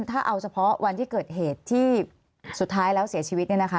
ถ้าเอาเฉพาะวันที่เกิดเหตุที่สุดท้ายแล้วเสียชีวิตเนี่ยนะคะ